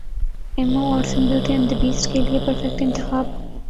Emma Watson Beauty and the Beast کے لیے perfect انتخاب